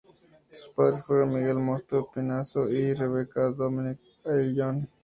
Sus padres fueron Miguel Mosto Pinasco y Rebeca Domecq Ayllón.